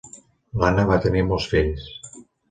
L'Anna va tenir molts fills.